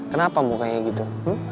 kenapa mukanya gitu